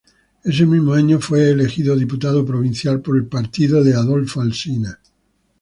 Ese mismo año fue electo diputado provincial por el partido de Adolfo Alsina.